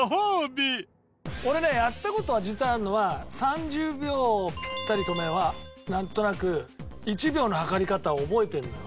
俺ねやった事実はあるのは３０秒ピッタリ止めはなんとなく１秒の計り方を覚えてるのよ